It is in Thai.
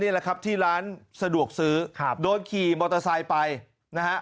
นี่แหละครับที่ร้านสะดวกซื้อครับโดยขี่มอเตอร์ไซค์ไปนะฮะ